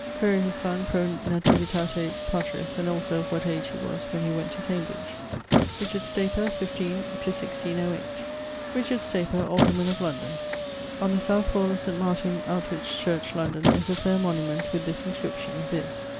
Quaere his sonne pro nativitate patris and also of what age he was when he went to Cambridge. =Richard Staper= (15 1608). Richard Staper, alderman of London: On the south wall of St. Martin Outwich church, London, is a faire monument with this inscription, viz.